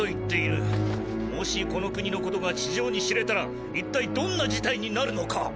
もしこの国のことが地上に知れたら一体どんな事態になるのか。